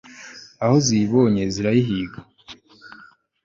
aho ziyibonye zirayihiga